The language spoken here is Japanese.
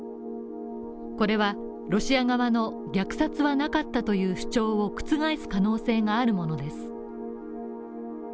これはロシア側の虐殺はなかったという主張を覆す可能性があるものです。